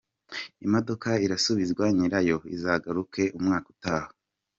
Imodoka irasubizwa nyirayo izagaruke umwaka utaha.